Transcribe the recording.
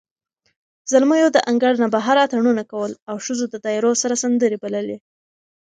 زلمیو د انګړ نه بهر اتڼونه کول، او ښځو د دایرو سره سندرې بللې.